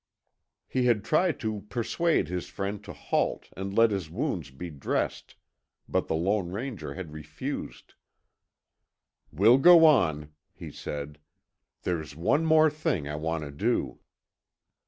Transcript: He had tried to persuade his friend to halt and let his wounds be dressed, but the Lone Ranger had refused. "We'll go on," he said. "There's one more thing I want to do."